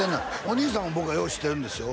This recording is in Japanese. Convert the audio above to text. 兄さんも僕はよう知ってるんですよ